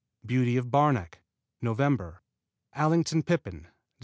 Beauty of Barnack Nov. Allington Pippin Dec.